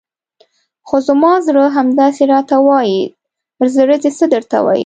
خو زما زړه همداسې راته وایي، زړه دې څه درته وایي؟